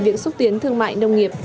việc xúc tiến thương mại nông nghiệp